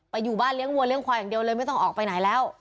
อยู่บ้านเลี้ยงวัวเลี้ยควายอย่างเดียวเลยไม่ต้องออกไปไหนแล้ว